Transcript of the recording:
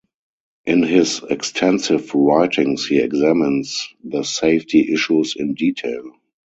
In his extensive writings he examines the safety issues in detail.